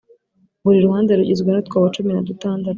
buri ruhande rugizwe n’utwobo cumi na dutandatu.